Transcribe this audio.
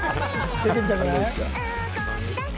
出てみたくない？